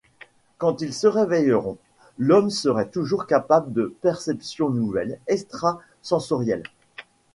Quand ils se réveilleront, l’homme serait alors capable de perceptions nouvelles, extra-sensorielles.